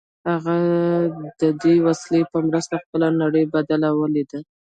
هغه د دې وسیلې په مرسته خپله نړۍ بدله ولیده